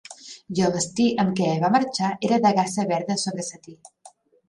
I el vestit amb què va marxar era de gasa verda sobre setí.